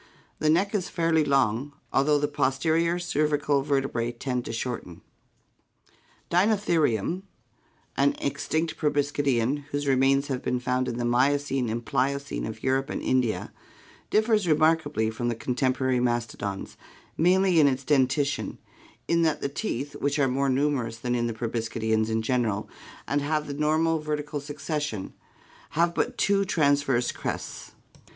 The neck is fairly long, al though the posterior cervical vertebrae tend to shorten. Dinolkerium (G r. Seivtk, terrible) (Figs. 200, 201), an extinct proboscidean whose remains have been found in the Miocene and Pliocene of Europe and India, Fig. differs remarkably from the contemporary mastodons, mainly in its dentition, in that the teeth, which are more numerous than in proboscideans in general and have the normal vertical succession, have but two transverse crests.